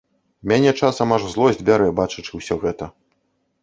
Мяне часам аж злосць бярэ, бачачы ўсё гэта.